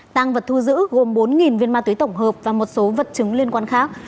tăng vật thu giữ gồm bốn viên ma túy tổng hợp và một số vật chứng liên quan khác